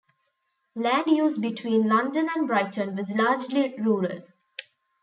Land use between London and Brighton was largely rural.